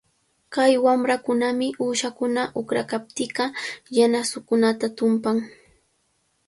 Kay wamrakunami uyshankuna uqranqanpita yanasankunata tumpan.